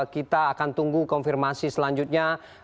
kita akan tunggu konfirmasi selanjutnya